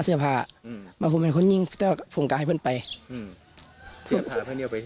เสื้อทางเพื่อนนี้เอาไปใช่ไหม